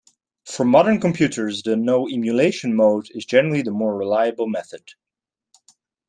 For modern computers the "no emulation" mode is generally the more reliable method.